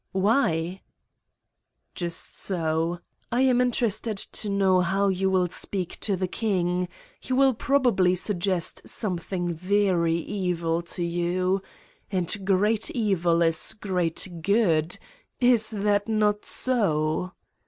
"Why?" "Just so. I am interested to know how you will speak to the king: he will probably suggest something very evil to you. And great evil is great good. Is that not so?"